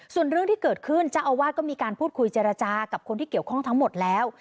ส่วนเรื่องที่เกิดขึ้นเจ้าอาวาสก็มีการพูดคุยเจรจากับคนที่เกี่ยวข้องทั้งหมดแล้ว